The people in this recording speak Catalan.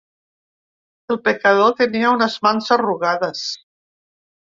El pecador tenia unes mans arrugades.